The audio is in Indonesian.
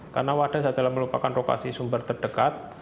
karena wadas adalah melupakan lokasi sumber terdekat